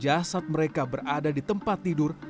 jasad mereka berada di tempat tidur